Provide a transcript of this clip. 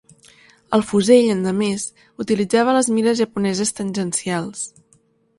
El fusell, endemés, utilitzava les mires japoneses tangencials.